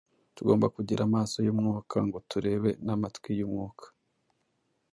Tugomba kugira "amaso y’umwuka" ngo turebe n’amatwi y’umwuka